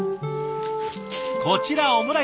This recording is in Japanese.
こちらオムライス